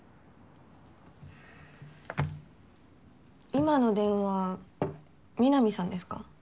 今の電話南さんですか？